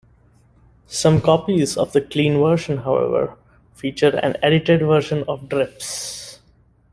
Some copies of the clean version, however, feature an edited version of Drips.